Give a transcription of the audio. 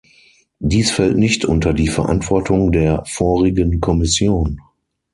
Dies fällt nicht unter die Verantwortung der vorigen Kommission.